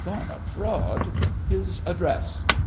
Gone abroad! His address.